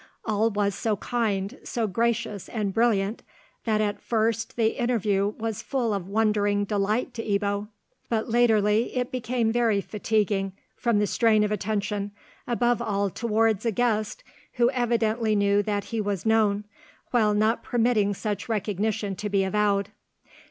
All was so kind, so gracious, and brilliant, that at first the interview was full of wondering delight to Ebbo, but latterly it became very fatiguing from the strain of attention, above all towards a guest who evidently knew that he was known, while not permitting such recognition to be avowed.